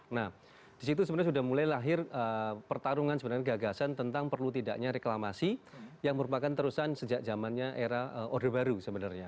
nah disitu sebenarnya sudah mulai lahir pertarungan sebenarnya gagasan tentang perlu tidaknya reklamasi yang merupakan terusan sejak zamannya era orde baru sebenarnya